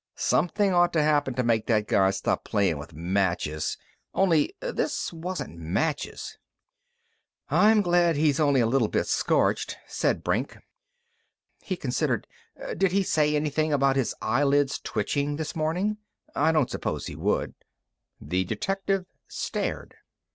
Something ought to happen to make that guy stop playin' with matches only this wasn't matches." "I'm glad he's only a little bit scorched," said Brink. He considered. "Did he say anything about his eyelids twitching this morning? I don't suppose he would." The detective stared.